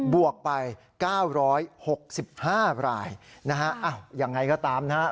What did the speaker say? วกไป๙๖๕รายนะฮะอ้าวยังไงก็ตามนะฮะ